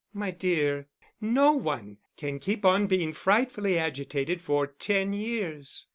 "My dear, no one can keep on being frightfully agitated for ten years.